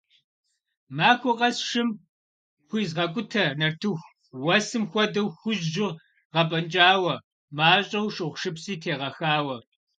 Махуэ къэс шым хуизгъэкӀутэ нартыху, уэсым хуэдэу хужьу гъэпӀэнкӀауэ, мащӀэу шыгъушыпси тегъэхауэ.